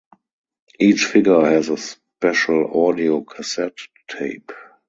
Each figure has a special audio cassette tape.